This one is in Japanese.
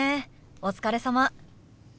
お疲れさま。